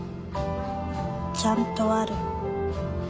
ちゃんとある。